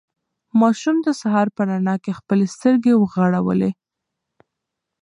ماشوم د سهار په رڼا کې خپلې سترګې وغړولې.